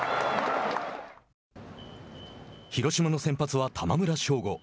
広島の先発は玉村昇悟。